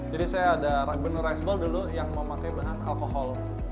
jadi saya ada beneran rice bowl dulu yang memakai bahan alkohol